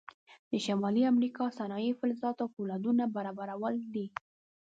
د شمالي امریکا صنایع فلزاتو او فولادو برابرول دي.